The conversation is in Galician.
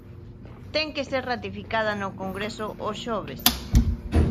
Ten que ser ratificada no Congreso o xoves.